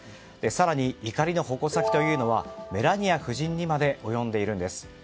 更に怒りの矛先はメラニア夫人まで及んでいるんです。